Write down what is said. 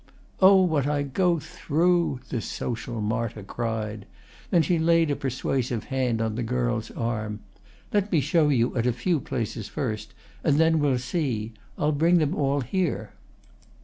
"Oh, what I go through!" this social martyr cried. Then she laid a persuasive hand on the girl's arm. "Let me show you at a few places first, and then we'll see. I'll bring them all here."